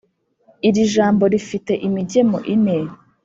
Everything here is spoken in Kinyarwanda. iri jambo rifite imigemo ine.